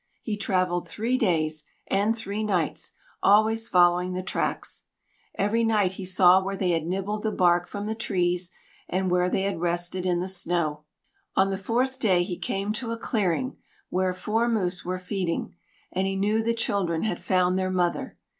He travelled three days and three nights, always following the tracks. Every night, he saw where they had nibbled the bark from the trees and where they had rested in the snow. On the fourth day he came to a clearing where four moose were feeding, and he knew the children had found their mother.